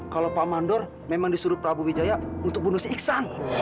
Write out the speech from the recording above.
kalau pak mandor memang disuruh prabu wijaya untuk bonus iksan